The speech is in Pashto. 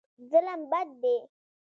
ظلم بد دی.